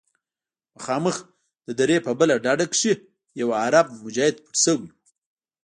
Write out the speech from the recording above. مخامخ د درې په بله ډډه کښې يو عرب مجاهد پټ سوى و.